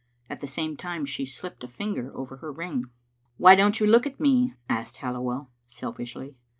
At the same time she slipped a finger over her ring. "Why don't you look at me?" asked Halliwell, selfishly.